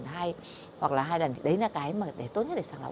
hoặc là hai lần đấy là cái tốt nhất để sàng lọc